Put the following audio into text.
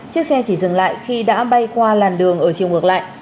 chiếc xe chỉ dừng lại khi đã bay qua làn đường ở chiều ngược lại